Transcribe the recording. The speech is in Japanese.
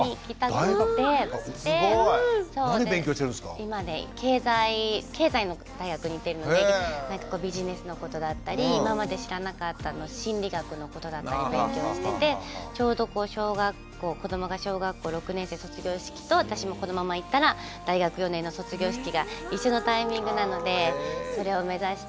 今ね経済経済の大学に行ってるのでビジネスのことだったり今まで知らなかった心理学のことだったり勉強しててちょうど子どもが小学校６年生卒業式と私もこのままいったら大学４年の卒業式が一緒のタイミングなのでそれを目指して。